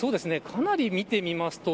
かなり、見てみますと